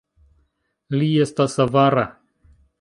Li estas avara!